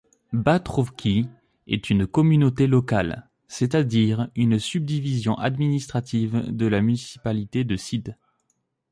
Batrovci est une communauté locale, c'est-à-dire une subdivision administrative, de la municipalité de Šid.